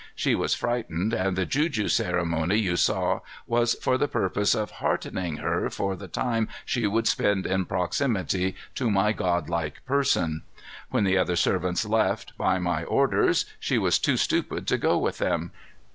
She was frightened, and the juju ceremony you saw was for the purpose of heartening her for the time she would spend in proximity to my godlike person. When the other servants left, by my orders, she was too stupid to go with them.